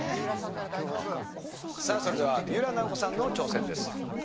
さあそれでは三浦奈保子さんの挑戦です。